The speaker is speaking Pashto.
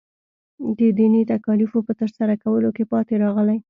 د دیني تکالیفو په ترسره کولو کې پاتې راغلی.